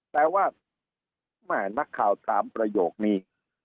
แต่ว่าแม่นักข่าวถามประโยคนี้